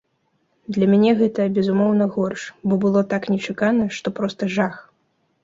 Для мяне гэта, безумоўна, горш, бо было так нечакана, што проста жах.